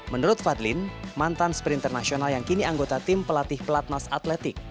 menurut fadlin mantan sprinter nasional yang kini anggota tim pelatih pelatnas atletik